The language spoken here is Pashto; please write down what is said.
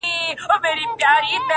د شاعرۍ ياري كړم.